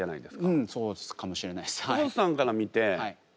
うんそうかもしれないですはい。